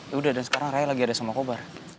yaudah dan sekarang raya lagi ada sama kobar